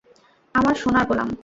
আমার সোনার গোলাম!